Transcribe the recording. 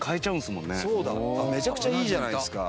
めちゃくちゃいいじゃないですか。